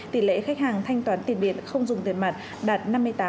tỷ lệ khách hàng thanh toán tiền điện không dùng tiền mặt đạt năm mươi tám